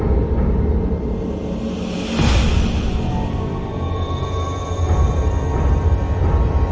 เพื่อนรัก